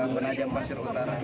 penajam pasar utara